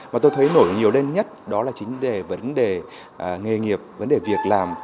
mà tôi thấy nổi nhiều lên nhất đó là chính về vấn đề nghề nghiệp vấn đề việc làm